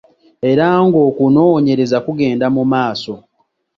Era ng'okunoonyereza kugenda mu maaso.